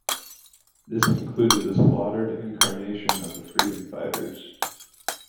This includes the slaughtered incarnation of the Freedom Fighters.